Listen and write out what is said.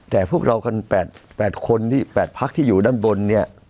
แต่พวกเรากัน๘คนที่๘พักที่อยู่ด้านบนเนี่ย